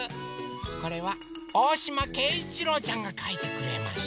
これはおおしまけいいちろうちゃんがかいてくれました。